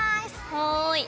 はい。